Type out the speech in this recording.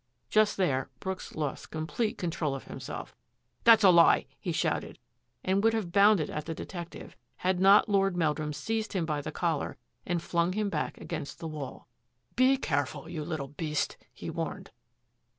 Just there Brooks lost complete control of him self. " That's a lie !" he shouted, and would have bounded at the detective, had not Lord Meldnim seized him by the collar and flung him back against the wall. " Be careful, you little beast !" he warned.